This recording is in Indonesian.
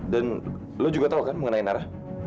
dan lo juga tahu kan mengenai nara